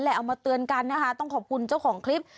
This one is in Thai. เอามาเตือนกันนะคะต้องขอบคุณเจ้าของคลิป